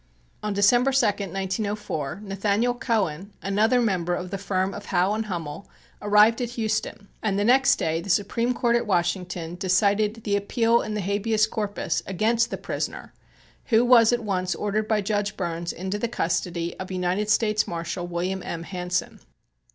On December 2, 1904, Nathaniel Cohen, another member of the firm of Howe and Hummel, arrived at Houston, and the next day the Supreme Court at Washington decided the appeal in the habeas corpus against the prisoner, who was at once ordered by Judge Burns into the custody of United States Marshal William M. Hanson.